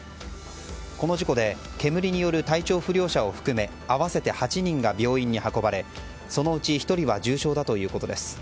この事故で煙による体調不良者を合わせ合わせて８人が病院に運ばれそのうち１人は重傷だということです。